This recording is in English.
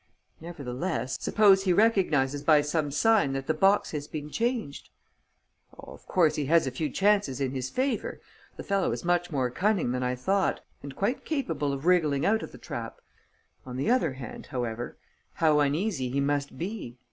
"Nevertheless, suppose he recognizes by some sign that the box has been changed?" "Oh, of course, he has a few chances in his favour! The fellow is much more cunning than I thought and quite capable of wriggling out of the trap. On the other hand, however, how uneasy he must be!